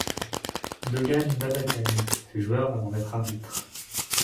Doğan Babacan fut joueur avant d'être arbitre.